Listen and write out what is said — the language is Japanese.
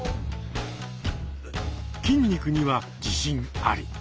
筋肉には自信あり。